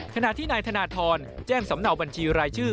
ขณะที่นายธนทรแจ้งสำเนาบัญชีรายชื่อ